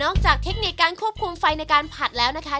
จากเทคนิคการควบคุมไฟในการผัดแล้วนะคะ